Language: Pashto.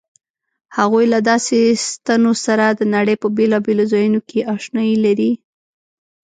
هغوی له داسې ستنو سره د نړۍ په بېلابېلو ځایونو کې آشنايي لري.